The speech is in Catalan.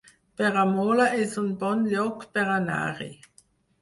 Peramola es un bon lloc per anar-hi